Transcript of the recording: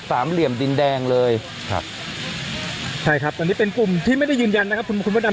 ทางกลุ่มมวลชนทะลุฟ้าทางกลุ่มมวลชนทะลุฟ้า